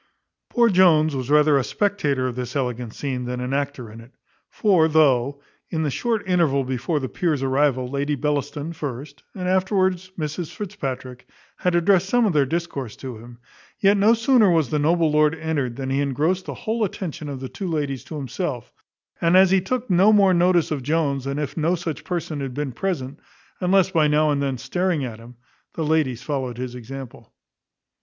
Poor Jones was rather a spectator of this elegant scene, than an actor in it; for though, in the short interval before the peer's arrival, Lady Bellaston first, and afterwards Mrs Fitzpatrick, had addressed some of their discourse to him; yet no sooner was the noble lord entered, than he engrossed the whole attention of the two ladies to himself; and as he took no more notice of Jones than if no such person had been present, unless by now and then staring at him, the ladies followed his example.